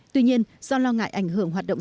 tuy nhiên do lo ngại ảnh hưởng hoạt động